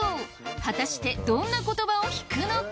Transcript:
果たしてどんなことばを引くのか？